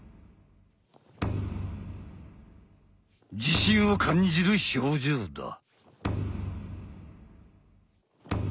自信を感じる表情だ！